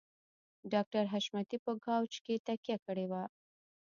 ډاکټر حشمتي په کاوچ کې تکيه کړې وه